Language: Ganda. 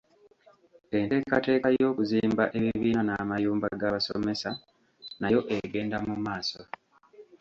Enteekateeka y'okuzimba ebibiina n'amayumba g'abasomesa nayo egenda mu maaso.